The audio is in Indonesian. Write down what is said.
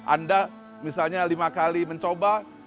anda misalnya lima kali mencoba